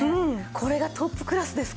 これがトップクラスですか。